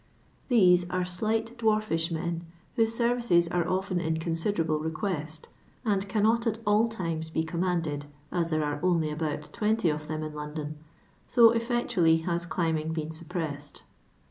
These are slight d^var^lsh men, whose services are often in considerable request, and csmnot at all times be commanded, as there are only about twenty of them in London, so effectually has climbing been suppressed.